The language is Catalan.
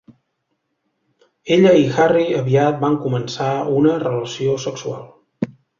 Ella i Harry aviat van començar una relació sexual.